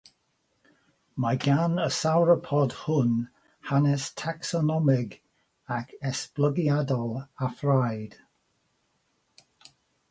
Mae gan y sawropod hwn hanes tacsonomig ac esblygiadol afraid.